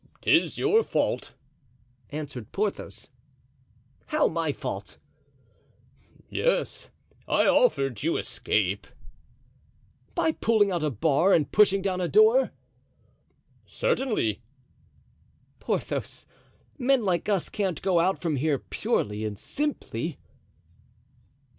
"'Tis your fault," answered Porthos. "How, my fault?" "Yes, I offered you escape." "By pulling out a bar and pushing down a door?" "Certainly." "Porthos, men like us can't go out from here purely and simply."